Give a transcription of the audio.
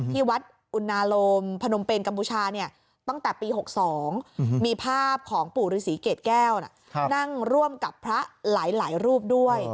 ที่วัดอุณาโลมพนมเป็นกัมพูชาตั้งแต่ปี๖๒มีภาพของปู่ฤษีเกรดแก้วนั่งร่วมกับพระหลายรูปด้วย